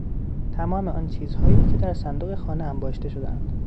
تمام آن چیزهایی که در صندوق خانه انباشته شدهاند